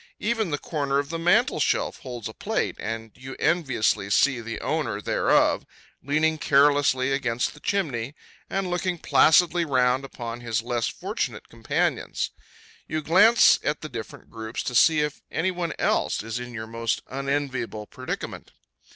Even the corner of the mantel shelf holds a plate, and you enviously see the owner thereof leaning carelessly against the chimney, and looking placidly round upon his less fortunate companions. You glance at the different groups to see if any one else is in your most unenviable predicament.